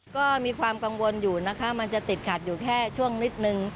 ก็มีความกังวลอยู่นะคะมันจะติดขัดอยู่แค่ช่วงนิดนึง